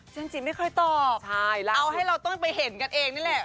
จิไม่ค่อยตอบเอาให้เราต้องไปเห็นกันเองนี่แหละ